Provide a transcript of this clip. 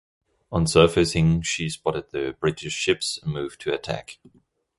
On surfacing, she spotted the British ships and moved to attack.